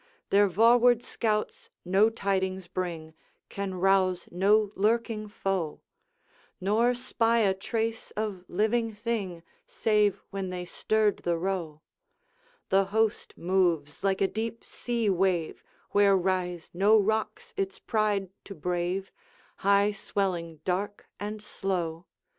Their vaward scouts no tidings bring, Can rouse no lurking foe, Nor spy a trace of living thing, Save when they stirred the roe; The host moves like a deep sea wave, Where rise no rocks its pride to brave High swelling, dark, and slow.